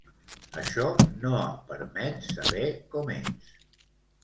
Això no em permet saber com ets.